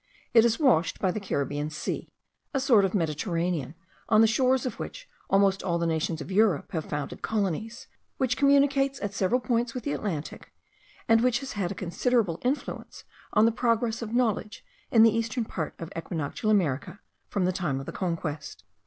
It is washed by the Caribbean Sea, a sort of Mediterranean, on the shores of which almost all the nations of Europe have founded colonies; which communicates at several points with the Atlantic; and which has had a considerable influence on the progress of knowledge in the eastern part of equinoctial America, from the time of the Conquest.